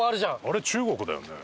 あれ中国だよね？